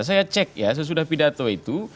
saya cek ya sesudah pidato itu